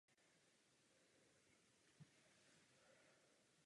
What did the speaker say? V Moravskoslezské fotbalové lize hrál za Ratíškovice.